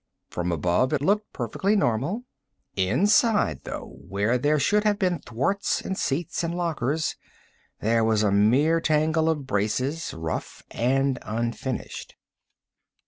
From above, it looked perfectly normal. Inside, though, where there should have been thwarts and seats and lockers, there was a mere tangle of braces, rough and unfinished.